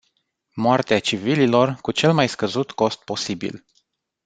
Moartea civililor cu cel mai scăzut cost posibil.